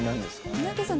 「三宅さん